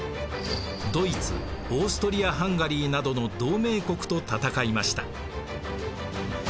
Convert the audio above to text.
ドイツオーストリア・ハンガリーなどの同盟国と戦いました。